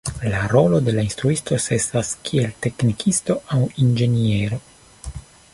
La rolo de la instruisto estas kiel teknikisto aŭ inĝeniero.